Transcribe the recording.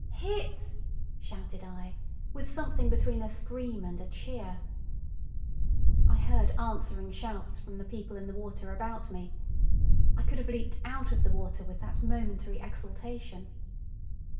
"Hit!" shouted I, with something between a scream and a cheer. I heard answering shouts from the people in the water about me. I could have leaped out of the water with that momentary exultation.